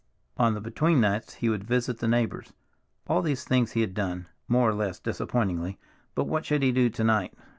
On the between nights he would visit the neighbors. All these things he had done, more or less disappointingly, but what should he do to night?